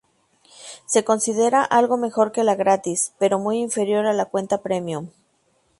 Se considera algo mejor que la gratis, pero muy inferior a la cuenta "premium".